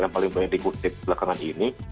yang paling banyak dikutip belakangan ini